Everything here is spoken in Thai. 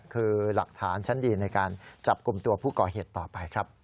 คือหลักฐานชั้นดีในการจับกลุ่มตัวผู้ก่อเหตุต่อไปครับ